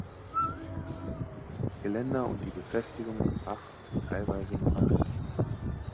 Geländer und die Befestigung am Bach sind teilweise noch erhalten.